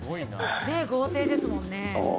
豪邸ですもんね。